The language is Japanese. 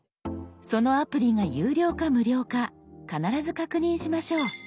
そのアプリが有料か無料か必ず確認しましょう。